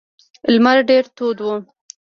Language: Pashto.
لمر ډیر تود و.